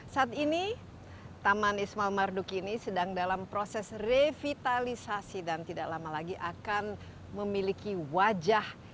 saat ini taman ismail marduki ini sedang dalam proses revitalisasi dan tidak lama lagi akan memiliki wajah